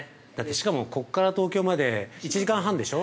しかもここから東京まで１時間半でしょう。